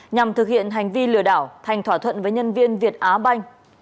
nhằm thực hiện hành vi lừa đảo thành thỏa thuận với nhân viên việt á banh